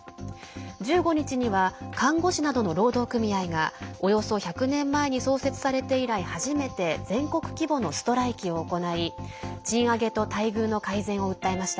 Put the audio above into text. １５日には看護師などの労働組合がおよそ１００年前に創設されて以来初めて全国規模のストライキを行い賃上げと待遇の改善を訴えました。